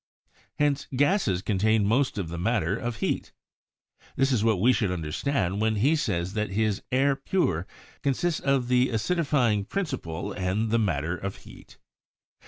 Hence, gases contain most of the matter of heat. This is what we should understand when he says that his 'air pur' consists of the acidifying principle and the matter of heat.